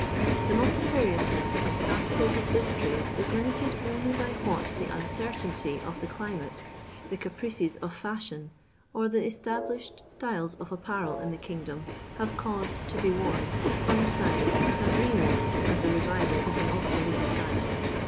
Thk multifariousness of the articles of this trade is limited only by what the uncertainty of the climate, the caprices of foshinn, or the established styles of apparel in the kingdom, have caused to be worn, flung aside, and reworu as a revival of an obsolete style.